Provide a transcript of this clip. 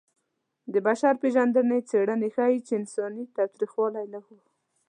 د بشر پېژندنې څېړنې ښيي چې انساني تاوتریخوالی لږ و.